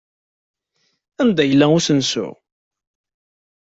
Anda yella usensu?